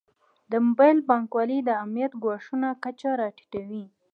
د موبایل بانکوالي د امنیتي ګواښونو کچه راټیټوي.